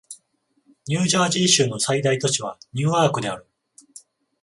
ニュージャージー州の最大都市はニューアークである